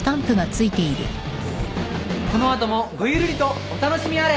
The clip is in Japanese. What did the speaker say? この後もごゆるりとお楽しみあれ。